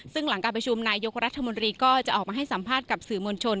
ซึ่งหลังการประชุมนายยกรัฐมนตรีก็จะออกมาให้สัมภาษณ์กับสื่อมวลชน